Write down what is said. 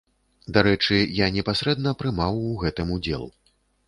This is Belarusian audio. Дарэчы, я непасрэдна прымаў у гэтым удзел.